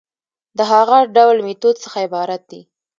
د هغه ډول ميتود څخه عبارت دي